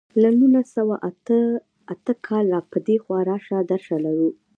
له نولس سوه اته اته کال را په دېخوا راشه درشه لرو.